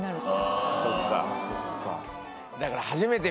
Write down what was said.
あそっか。